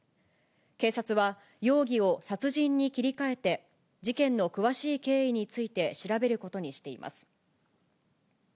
警察は容疑を殺人に切り替えて、事件の詳しい経緯について調べることにしています。